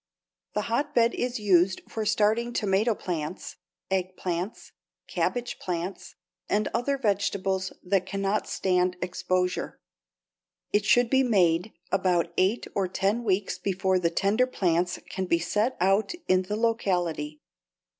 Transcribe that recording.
The hotbed is used for starting tomato plants, eggplants, cabbage plants, and other vegetables that cannot stand exposure. It should be made about eight or ten weeks before the tender plants can be set out in the locality.